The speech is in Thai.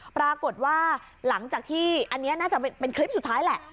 ปรากฏว่าหลังจากที่อันนี้น่าจะเป็นคลิปสุดท้ายแหละ